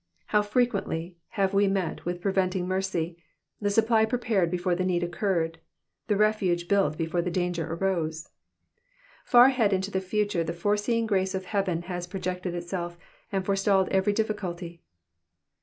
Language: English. How fre quently have we met with preventing mercy— the supply prepared before the need occurred, the refuge built before the danger arose. Far ahead into th« Digitized by VjOOQIC PSALM THE FIFTY NINTH. 79 future the foreseeing mce of heaveo has projected itself, and forestalled every difficulty.